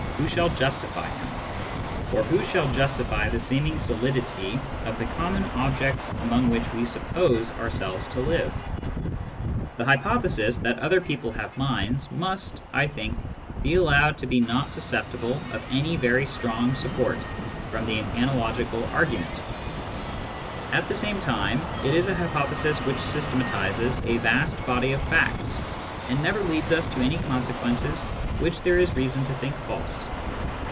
Who shall justify him ? Or who shall justify the seeming solidity of the common objects among which we suppose ourselves to live ? Digitized by Google 96 SCIENTIFIC METHOD IN PHILOSOPHY The hypothesis that other people have minds must, I think, be allowed to be not susceptible of any very strong support from the analogical argument. At the same time, it is a hypothesis which systematises a vast body of facts and never leads to any consequences which there is reason to think false.